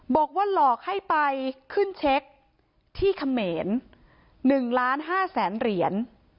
บอกว่าหลอกให้ไปขึ้นเช็คที่เขมร๑ล้าน๕แสนเหรียญ